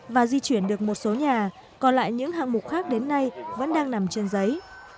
và di chuyển được một số nhà còn lại những hạng mục khác đến nay vẫn đang nằm trên giấy